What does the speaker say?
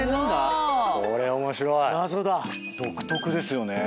独特ですよね。